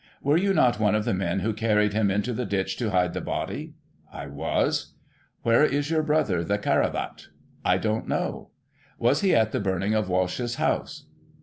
Were you not one of the men who carried him into the ditch to hide the body? — I was. Where is your brother, the Caravat? — I don't know. Was he at the burning of Walsh's house